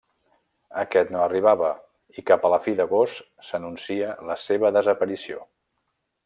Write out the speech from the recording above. Aquest no arribava i cap a la fi d'agost s'anuncia la seva desaparició.